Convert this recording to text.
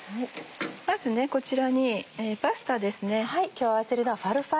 まずこちらにパスタですね。